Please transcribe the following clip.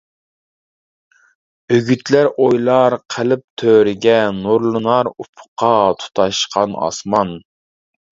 ئۈگۈتلەر ئويۇلار قەلب تۆرىگە، نۇرلىنار ئۇپۇققا تۇتاشقان ئاسمان.